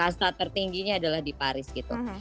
kasta tertingginya adalah di paris gitu